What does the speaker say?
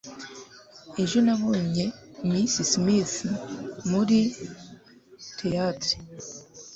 ejo nabonye miss smith muri theatre